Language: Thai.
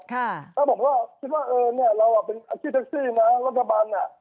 แล้วผมก็คิดว่าเออเนี่ยเราเป็นอาชีพแท็กซี่นะรัฐบาลอ่ะ